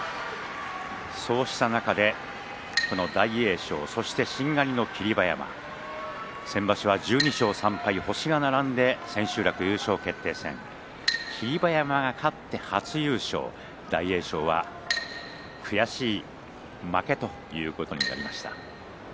そうした中で大栄翔、そしてしんがりの、霧馬山先場所１２勝３敗、星が並んで千秋楽優勝決定戦霧馬山が勝って初優勝大栄翔は悔しい負けということになりました。